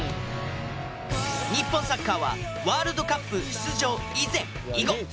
日本サッカーはワールドカップ出場以前以後。